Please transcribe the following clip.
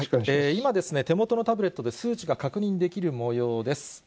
今、手元のタブレットで数値が確認できるもようです。